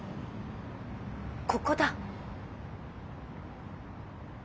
ここだ。